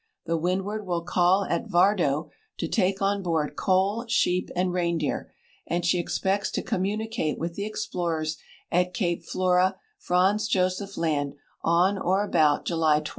The Windward will call at Vardo to take on board coal, sheep, and reindeer, and she ex pects to communicate with the explorers at cape Flora, Franz Josef Land, on or about July 20.